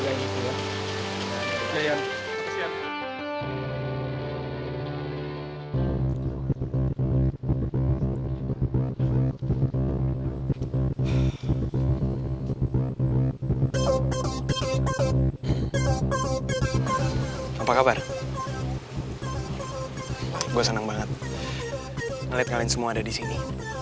gue senang banget ngeliat kalian semua ada di sini